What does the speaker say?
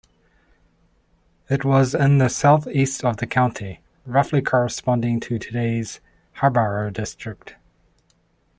It was in the south-east of the county, roughly corresponding to today's Harborough district.